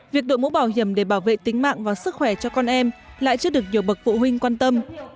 việc đội mũ bảo hiểm để bảo vệ tính mạng và sức khỏe cho con em lại chưa được nhiều bậc phụ huynh quan tâm